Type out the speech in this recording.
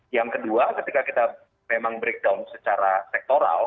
yang kedua ketika kita memang breakdown secara sektoral